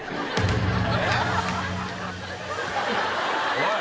おい。